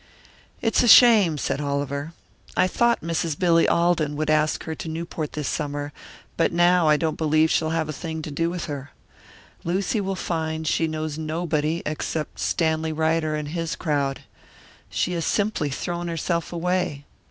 "It's a shame," said Oliver. "I thought Mrs. Billy Alden would ask her to Newport this summer, but now I don't believe she'll have a thing to do with her. Lucy will find she knows nobody except Stanley Ryder and his crowd. She has simply thrown herself away."